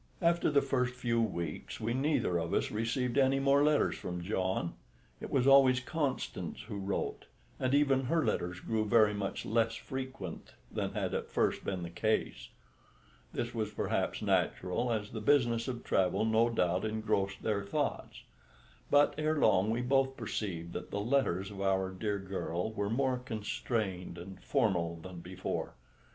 After the first few weeks we neither of us received any more letters from John. It was always Constance who wrote, and even her letters grew very much less frequent than had at first been the case. This was perhaps natural, as the business of travel no doubt engrossed their thoughts. But ere long we both perceived that the letters of our dear girl were more constrained and formal than before.